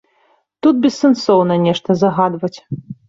Тут бессэнсоўна нешта загадваць.